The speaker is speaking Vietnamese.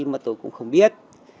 mà tôi cũng không biết